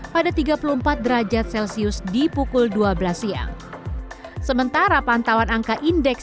pada tiga puluh empat derajat celcius di pukul dua belas siang sementara pantauan angka indeks